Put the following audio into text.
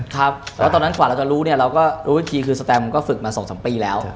ครับแล้วตอนนั้นกว่าเราจะรู้เนี่ยเราก็รู้อีกทีคือสแตมก็ฝึกมา๒๓ปีแล้ว